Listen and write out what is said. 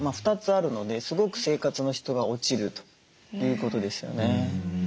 ２つあるのですごく生活の質が落ちるということですよね。